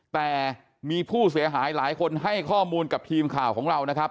แต่มีผู้เสียหายหลายคนให้ข้อมูลกับทีมข่าวของเรานะครับ